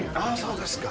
そうですか。